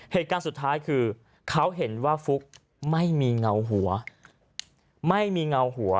เหตุการณ์สุดท้ายคือเขาเห็นว่าฟุ๊กไม่มีเงาหัวไม่มีเงาหัว